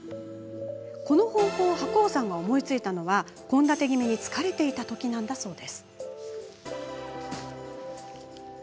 この方法を白央さんが思いついたのは献立ぎめに疲れていたときなんだそう。